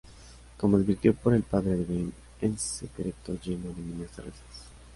Como advertido por el padre de Ben, es secreto lleno de minas terrestres.